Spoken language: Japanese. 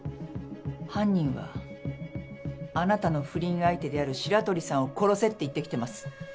犯人はあなたの不倫相手である白鳥さんを殺せって言ってきてます。